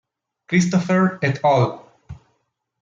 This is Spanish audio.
Christopher et al.